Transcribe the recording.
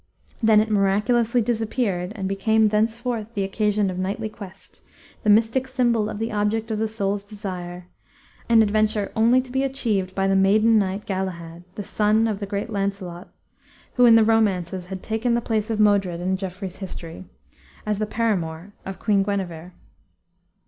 Then it miraculously disappeared and became thenceforth the occasion of knightly quest, the mystic symbol of the object of the soul's desire, an adventure only to be achieved by the maiden knight, Galahad, the son of the great Launcelot, who in the romances had taken the place of Modred in Geoffrey's history, as the paramour of Queen Guenever.